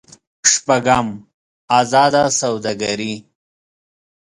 شپږم: ازاده سوداګري.